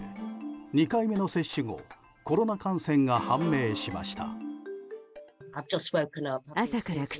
２回目の接種後コロナ感染が判明しました。